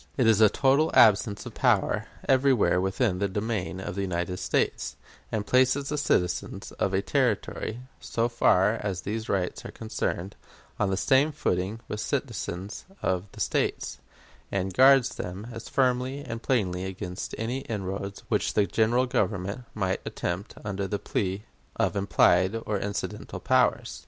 It is a total absence of power everywhere within the dominion of the United States, and places the citizens of a Territory, so far as these rights are concerned, on the same footing with citizens of the States, and guards them as firmly and plainly against any inroads which the General Government might attempt under the plea of implied or incidental powers.